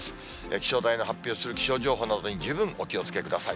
気象台の発表する気象情報などに、十分お気をつけください。